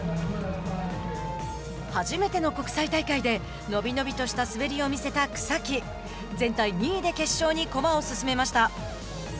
初めての国際大会で伸び伸びとした滑りを見せた草木全体２位で決勝に駒を進めました。